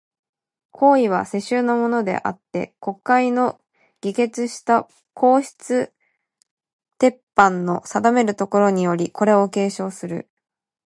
皇位は、世襲のものであつて、国会の議決した皇室典範の定めるところにより、これを継承する。